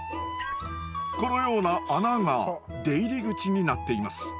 このような穴が出入り口になっています。